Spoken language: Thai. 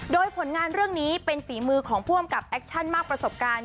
โดยผลงานเรื่องนี้เป็นฝีมือของผู้อำกับแอคชั่นมากประสบการณ์